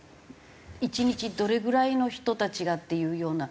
１日どれぐらいの人たちがっていうような？